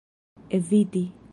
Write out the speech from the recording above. eviti